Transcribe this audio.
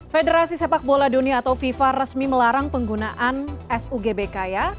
federasi sepak bola dunia atau fifa resmi melarang penggunaan sugbk ya